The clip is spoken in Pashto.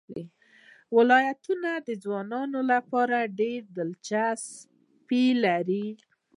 ولایتونه د ځوانانو لپاره ډېره دلچسپي لري.